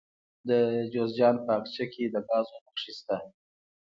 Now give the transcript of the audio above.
د جوزجان په اقچه کې د ګازو نښې شته.